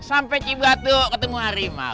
sampai kecebatuk ketemu harimau